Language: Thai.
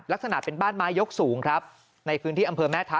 ลักษณะเป็นบ้านไม้ยกสูงครับในพื้นที่อำเภอแม่ท้า